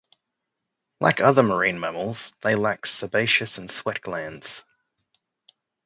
Like other marine mammals, they lack sebaceous and sweat glands.